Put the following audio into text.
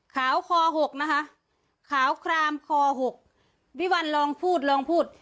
คอหกนะคะขาวครามคอหกพี่วันลองพูดลองพูด